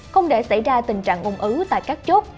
không để xảy ra tình trạng ung ứ tại các chốt